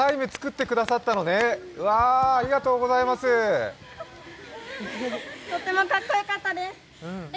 とてもかっこよかったです。